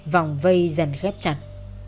vòng vây dần ghép chặt